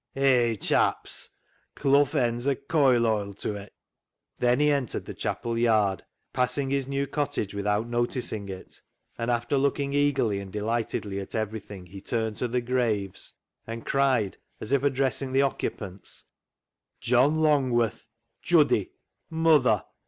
Hay, chaps ! Clough End's a coil hoile [coal house] to it." Then he entered the chapel yard, passing his new cottage without noticing it, and after looking eagerly and delightedly at everything, he turned to the graves, and cried as if address ing the occupants —" John Longvvorth ! Juddy ! Mother